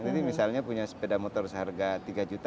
jadi misalnya punya sepeda motor seharga tiga puluh juta